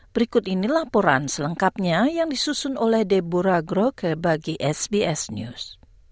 berikut ini laporan selengkapnya yang disusun oleh deborah groke bagi sbs news